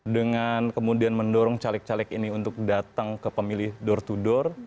dengan kemudian mendorong caleg caleg ini untuk datang ke pemilih door to door